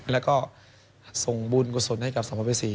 แล้วส่งบุญกษลให้กับสมบเวสี